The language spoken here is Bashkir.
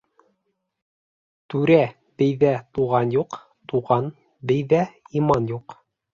Түрә-бейҙә туған юҡ, Туған бейҙә иман юҡ.